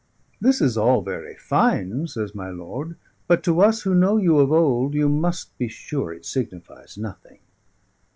"This is all very fine," says my lord; "but to us who know you of old, you must be sure it signifies nothing.